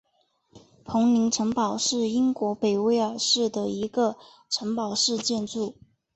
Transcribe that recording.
彭林城堡是英国北威尔士的一个城堡式建筑。